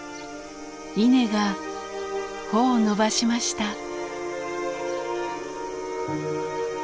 稲が穂を伸ばしました。